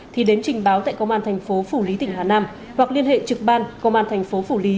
thì đến trình báo tại công an thành phố phủ lý tỉnh hà nam hoặc liên hệ trực ban công an thành phố phủ lý